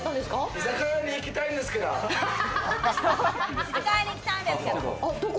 居酒屋に行きたいんですけれども。